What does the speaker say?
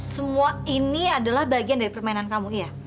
semua ini adalah bagian dari permainan kamu iya